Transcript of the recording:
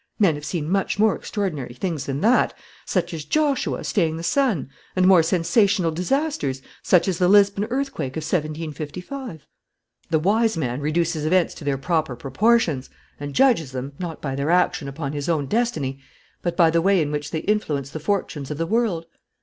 Men have seen much more extraordinary things than that, such as Joshua staying the sun, and more sensational disasters, such as the Lisbon earthquake of 1755. "The wise man reduces events to their proper proportions and judges them, not by their action upon his own destiny, but by the way in which they influence the fortunes of the world.